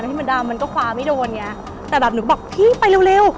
หรือว่าน่ามันก็คว้าไม่รู้เนี้ยแปดนุรี่เบอร์ผิดไปเร็ว